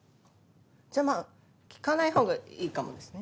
じゃあまぁ聞かないほうがいいかもですね。